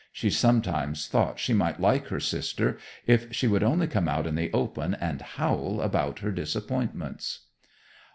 She sometimes thought she might like her sister, if she would only come out in the open and howl about her disappointments.